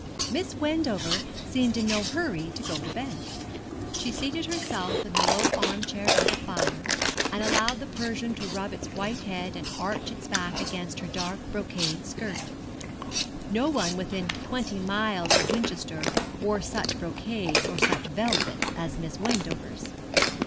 Miss Wendover seemed in no hurry to go to bed. She seated herself in the low arm chair by the fire, and allowed the Persian to rub its white head and arch its back against her dark brocade skirt. No one within twenty miles of Winchester wore such brocades or such velvets as Miss Wendover's.